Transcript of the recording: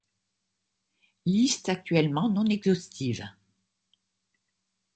Liste actuellement non exhaustive.